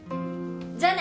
じゃあね。